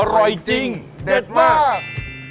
อร่อยจริงเด็ดมาก